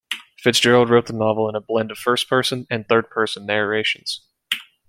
Fitzgerald wrote the novel in a blend of first person and third person narrations.